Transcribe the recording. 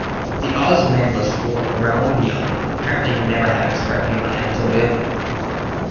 The Osmanlis rule a realm beyond it, apparently never having spread beyond Anatolia.